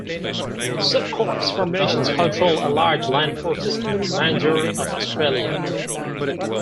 Sub-corps formations controlled Allied land forces in the remainder of Australia.